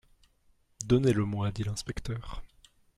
Donnez-le-moi, dit l'inspecteur.